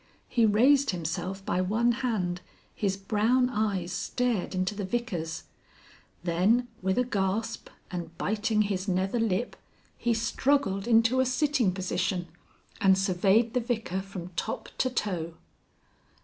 He raised himself by one hand, his brown eyes stared into the Vicar's. Then, with a gasp, and biting his nether lip, he struggled into a sitting position and surveyed the Vicar from top to toe.